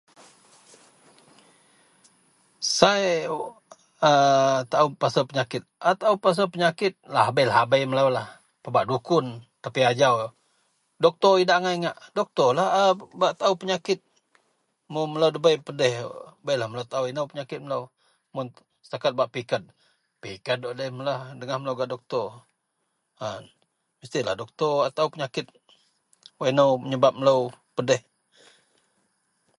Sai a taao pasel penyakit, a taao pasel penyakit -lahabei meloulah pebak dukun tapi ajau doktor idak angai ngak. Doktor lah a bak taao penyakit. Mun melou debei pedeh beilah melou taao inou pedeh melou. Mun setaket bak piked, piked un melou laei dengah melou gak doktor. An mestilah doktor a taao penyakit, wak inou menyebab melou pedeh